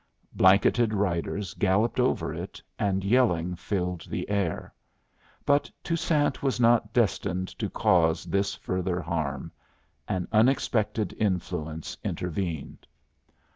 Blanketed riders galloped over it, and yelling filled the air. But Toussaint was not destined to cause this further harm. An unexpected influence intervened.